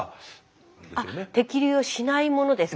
あ摘粒をしないものですか。